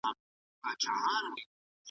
ده د ستونزو د ريښو پېژندلو هڅه کوله.